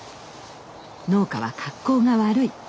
農家は格好が悪い。